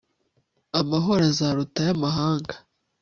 amahoro azaruta ay'amahanga